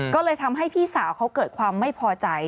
ก็เลยทำให้พี่สาวเขาเกิดความไม่พอใจ